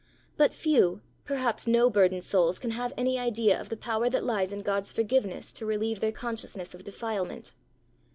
But few, perhaps no burdened souls can have any idea of the power that lies in God's forgiveness to relieve their consciousness of defilement.